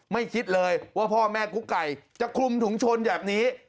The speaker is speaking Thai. คิดเลยว่าพ่อแม่กุ๊กไก่จะคลุมถุงชนแบบนี้